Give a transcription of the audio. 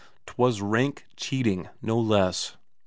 'Twas rank cheating, no less.